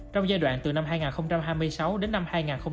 trong giai đoạn từ năm hai nghìn hai mươi sáu đến năm hai nghìn ba mươi